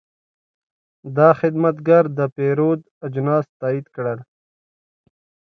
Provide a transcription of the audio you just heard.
دا خدمتګر د پیرود اجناس تایید کړل.